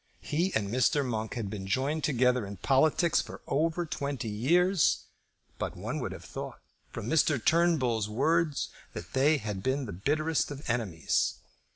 He and Mr. Monk had been joined together in politics for over twenty years; but one would have thought, from Mr. Turnbull's words, that they had been the bitterest of enemies.